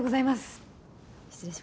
失礼します。